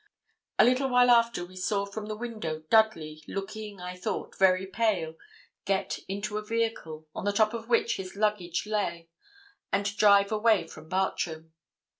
A little while after we saw from the window Dudley, looking, I thought, very pale, get into a vehicle, on the top of which his luggage lay, and drive away from Bartram.